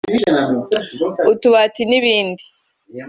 utubati n’ibindi